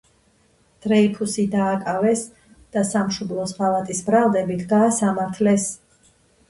დრეიფუსი დააკავეს და სამშობლოს ღალატის ბრალდებით გაასამართლეს.